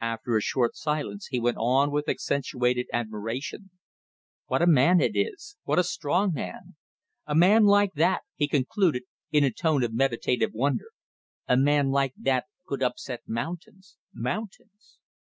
After a short silence he went on with accentuated admiration: "What a man it is! What a strong man! A man like that" he concluded, in a tone of meditative wonder "a man like that could upset mountains mountains!"